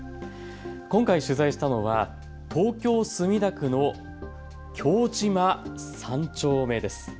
今回取材したのは東京墨田区の京島３丁目です。